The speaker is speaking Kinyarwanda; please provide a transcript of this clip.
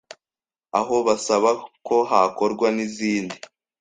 aho basaba ko hakorwa nizindi